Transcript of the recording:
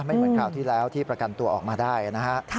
ไม่เหมือนคราวที่แล้วที่ประกันตัวออกมาได้นะฮะ